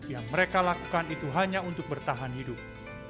yang mereka lakukan itu hanya untuk bertahan hidup